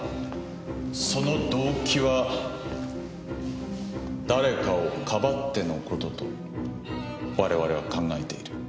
その動機は誰かを庇っての事と我々は考えている。